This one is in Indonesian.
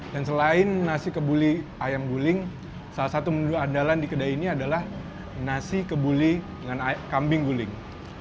dan selain nasi kebuli ayam guling salah satu menu andalan di kedai ini adalah nasi kebuli dengan kambing guling